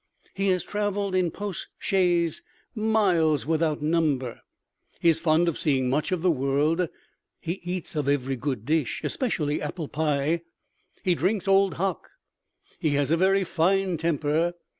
He has traveled in post chaises miles without number. He is fond of seeing much of the world. He eats of every good dish, especially apple pie. He drinks Old Hock. He has a very fine temper.